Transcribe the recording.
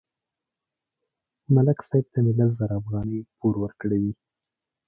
ملک صاحب ته مې لس زره افغانۍ پور ورکړې وې